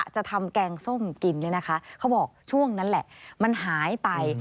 จะทำแกงส้มกินเนี่ยนะคะเขาบอกช่วงนั้นแหละมันหายไป